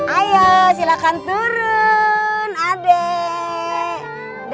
ayo silahkan turun ade